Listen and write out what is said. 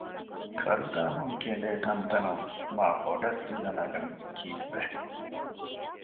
ކަރުދާހުން ކެނޑޭ ތަންތަނުން މާބޮޑަށް ދިލަނަގަނީ ކީއްވެ؟